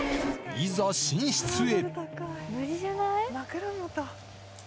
いざ寝室へ。